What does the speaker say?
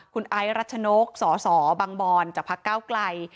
คุณไอ้รัชโนกศศบางบอลจากผ่าเก้าไกล